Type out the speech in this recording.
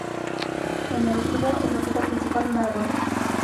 En el escudo el objeto principal un árbol.